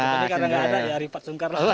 tapi karena nggak ada ya rifat sungkar lah